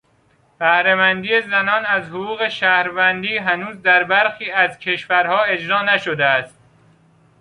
بهره مندی زنان از حقوق شهروندی هنوز در برخی کشورها اجرا نشده است.